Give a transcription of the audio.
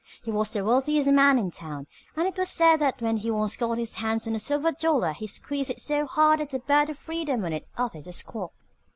He was the wealthiest man in town, and it was said that when he once got his hands on a silver dollar he squeezed it so hard that the bird of freedom on it uttered a squawk.